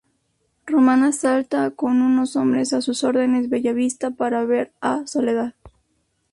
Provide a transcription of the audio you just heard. Román asalta con unos hombres a sus órdenes Bellavista para ver a Soledad.